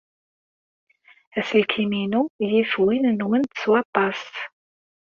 Aselkim-inu yif win-nwent s waṭas.